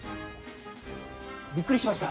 びっくりしました？